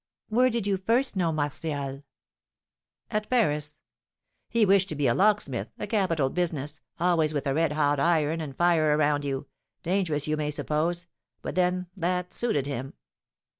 "Where did you first know Martial?" "At Paris. He wished to be a locksmith, a capital business, always with red hot iron and fire around you; dangerous you may suppose, but then that suited him.